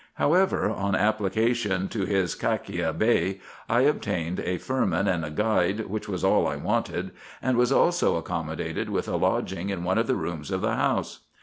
However, on application to his Kakia Bey, I obtained a firman and a guide, which was all I wanted, and was also accommodated with a lodging in one of the rooms of the house.